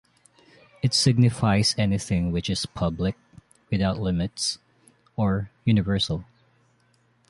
It signifies anything which is public, without limits, or universal.